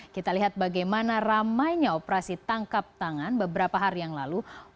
kita lihat bagaimana ramainya operasi tangkap tangan beberapa hari yang lalu